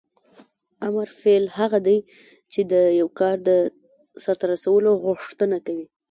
امر فعل هغه دی چې د یو کار د سرته رسولو غوښتنه کوي.